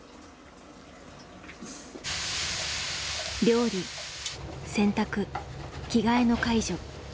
料理洗濯着替えの介助。